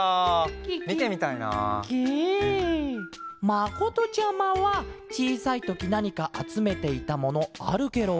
まことちゃまはちいさいときなにかあつめていたものあるケロ？